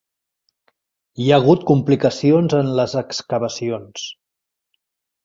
Hi ha hagut complicacions en les excavacions.